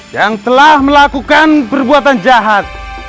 yang telah melakukan perbuatan jahat